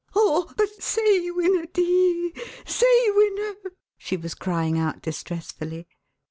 "Oh, but say he winna dee say he winna!" she was crying out distressfully.